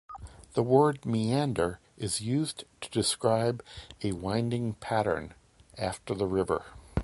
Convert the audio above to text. The word "meander" is used to describe a winding pattern, after the river.